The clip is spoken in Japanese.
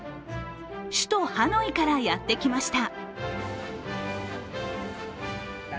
首都ハノイからやってきました。